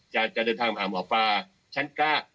จะเดินทางมหาหมวบฟ้าฉันกล้า